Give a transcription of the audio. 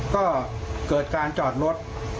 ก็เกิดการจอดรถ